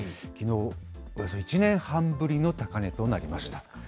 きのう、およそ１年半ぶりの高値となりました。